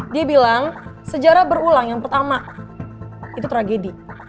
dia bilang sejarah berulang yang pertama itu tragedi